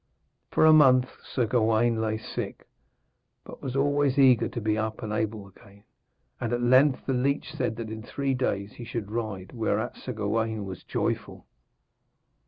For a month Sir Gawaine lay sick, but was always eager to be up and able again. And at length the leech said that in three days he should ride, whereat Sir Gawaine was joyful.